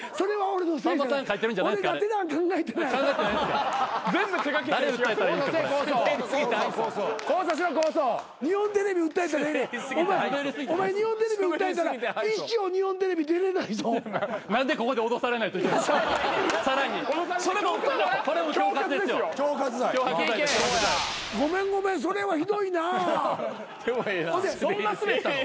そんなスベったの？